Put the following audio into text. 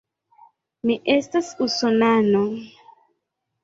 Mi estas usonano.